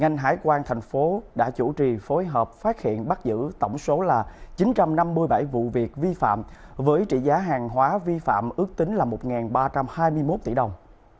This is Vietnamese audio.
ngành hải quan thành phố đã chủ trì phối hợp phát hiện bắt giữ tổng số là chín trăm năm mươi bảy vụ việc vi phạm với trị giá hàng hóa vi phạm ước tính là một ba trăm hai mươi một tỷ đồng